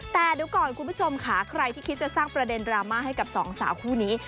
แต่เดี๋ยวก่อนคุณผู้ชมค่ะใครที่คิดจะสร้างประเด็นดราม่าให้กับสองสาวคู่นี้